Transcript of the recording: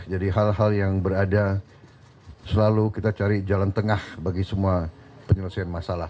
jadi hal hal yang berada selalu kita cari jalan tengah bagi semua penyelesaian masalah